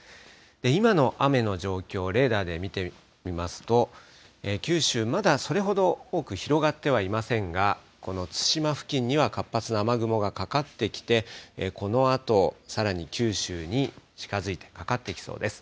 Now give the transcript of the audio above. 今の雨の状況、レーダーで見てみますと、九州、まだそれほど多く広がってはいませんが、この対馬付近には活発な雨雲がかかってきて、このあとさらに九州に近づいて、かかってきそうです。